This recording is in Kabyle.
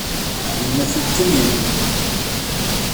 Yenna-t-id kan, yendem.